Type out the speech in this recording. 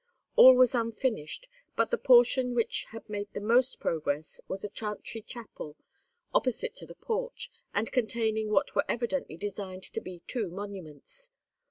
All was unfinished, but the portion which had made the most progress was a chantry chapel opposite to the porch, and containing what were evidently designed to be two monuments.